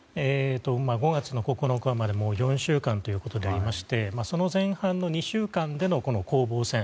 ５月９日まで４週間ということになりましてその前半の２週間での攻防戦。